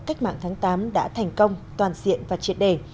cách mạng tháng tám đã thành công toàn diện và triệt đề